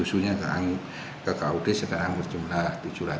susunya ke kaudi sedang berjumlah tujuh ratus